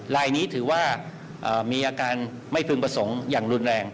ลายนี้ถือว่ามีอาการไม่พึงประสงค์อย่างรุนแรง